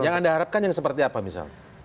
yang anda harapkan yang seperti apa misal